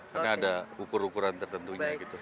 karena ada ukur ukuran tertentunya gitu